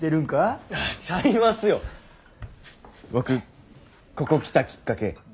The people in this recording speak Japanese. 僕ここ来たきっかけ